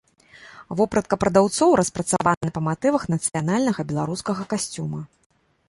Вопратка прадаўцоў распрацаваная па матывах нацыянальнага беларускага касцюма.